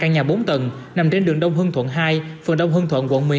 hai căn nhà bốn tầng nằm trên đường đông hưng thuận hai phần đông hưng thuận quận một mươi hai